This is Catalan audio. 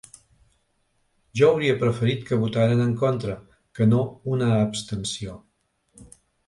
Jo hauria preferit que votaren en contra que no una abstenció.